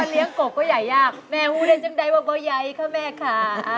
อ๋อเลี้ยงกบก็ยายยากแม่หูได้จึงได้ว่าเบาไยค่ะแม่ค่ะ